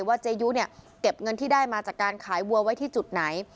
เจยุเนี่ยเก็บเงินที่ได้มาจากการขายวัวไว้ที่จุดไหน